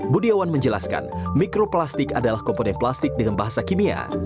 budiawan menjelaskan mikroplastik adalah komponen plastik dengan bahasa kimia